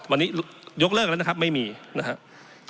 วันนี้ยกเลิกแล้วนะครับไม่มีนะครับ